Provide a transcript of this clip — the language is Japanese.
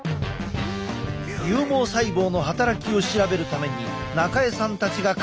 有毛細胞の働きを調べるために中江さんたちが考え出したのがこれ。